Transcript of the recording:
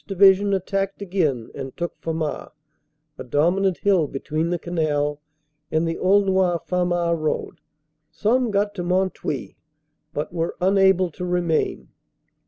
Division attacked again and took Famars, a dominant hill between the Canal and the Aulnoy Famars road. Some got to Mont Houy, but were unable to remain.